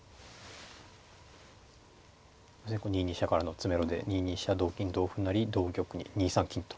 ２二飛車からの詰めろで２二飛車同金同歩成同玉に２三金と。